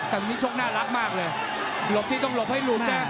แต่วันนี้ชกน่ารักมากเลยหลบนี่ต้องหลบให้หลุดนะ